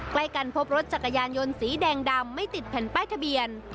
ใกล้กันพบรถจักรยานยนต์สีแดงดำไม่ติดแผ่นป้ายทะเบียน